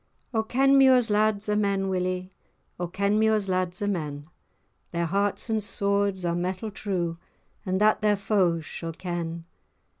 O Kenmure's lads are men, Willie, O Kenmure's lads are men, Their hearts and swords are metal true, And that their foes shall ken.